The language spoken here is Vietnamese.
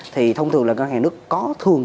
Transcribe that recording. thì thông thường là ngân hàng nước có thường